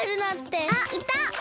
あっいた！